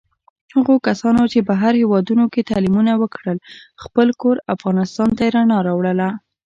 هغو کسانو چې بهر هېوادونوکې تعلیمونه وکړل، خپل کور افغانستان ته یې رڼا راوړله.